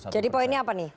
jadi poinnya apa nih